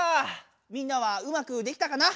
みんなはうまくできたかな？